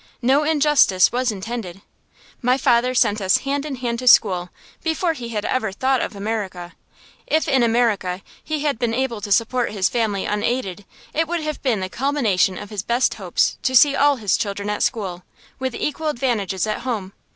No injustice was intended. My father sent us hand in hand to school, before he had ever thought of America. If, in America, he had been able to support his family unaided, it would have been the culmination of his best hopes to see all his children at school, with equal advantages at home.